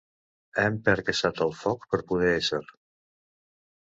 Hem percaçat el foc per poder ésser.